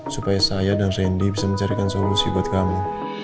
supaya saya dan randy bisa mencarikan solusi buat kami